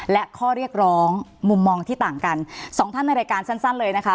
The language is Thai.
และข้อเรียกร้องมุมมองที่ต่างกันสองท่านในรายการสั้นเลยนะคะ